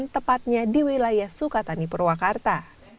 tepatnya di wilayah sukatani purwakarta